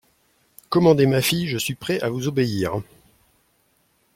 Commandez, ma fille, je suis prêt à vous obéir.